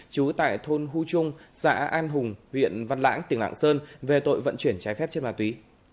trú tại thôn hu trung xã an hùng huyện văn lãng tỉnh lạng sơn về tội vận chuyển trái phép chất ma túy